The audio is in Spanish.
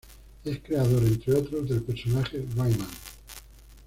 Es creador, entre otros, del personaje Rayman.